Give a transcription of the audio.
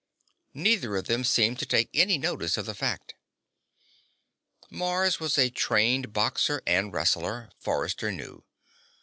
Neither of them seemed to take any notice of the fact. Mars was a trained boxer and wrestler, Forrester knew.